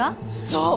そう！